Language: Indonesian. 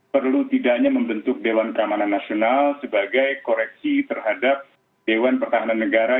perlu tidaknya membentuk dewan keamanan nasional sebagai koreksi terhadap dewan pertahanan negara